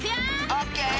オッケー！